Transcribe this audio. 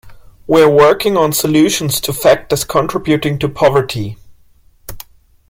We're working on solutions to factors contributing to poverty.